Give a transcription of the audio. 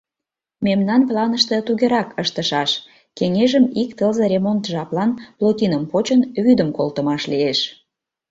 Мемнан планыште тугерак ыштышаш: кеҥежым ик тылзе ремонт жаплан, плотиным почын, вӱдым колтымаш лиеш.